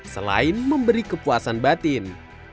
selain memberi kepuasan batin